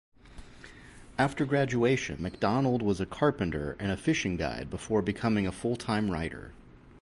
After graduation, MacDonald was a carpenter and fishing guide before becoming a full-time writer.